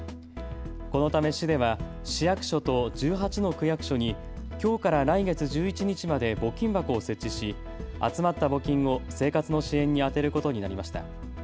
このため市では市役所と１８の区役所にきょうから来月１１日まで募金箱を設置し集まった募金を生活の支援に充てることになりました。